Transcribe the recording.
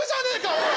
おい！